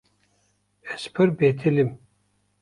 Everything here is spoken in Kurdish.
Ez pir betilîm.